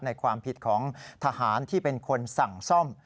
ในความผิดของทหารที่เป็นคนสั่งซ่อม